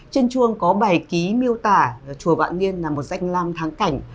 trên chuông có bài ký miêu tả chùa vạn liên là một danh lam tháng cảnh